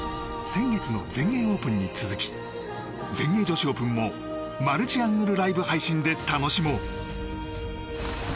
先月の全英オープンに続き全英女子オープンもマルチアングルライブ配信で楽しもう！